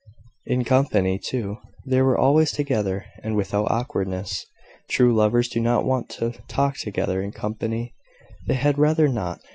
In company, too, they were always together, and without awkwardness. True lovers do not want to talk together in company; they had rather not.